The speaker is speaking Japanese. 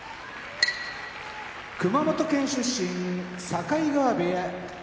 熊本県出身境川部屋